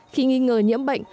khi nghi ngờ nhiễm bệnh